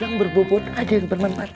jangan berbobot aja yang bermanfaat